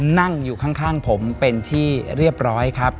นั่งอยู่ข้างผมเป็นที่เรียบร้อยครับ